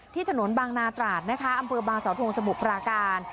ถนนบางนาตราดนะคะอำเภอบางสาวทงสมุทรปราการ